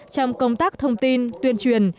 trong công tác thông tin tuyên truyền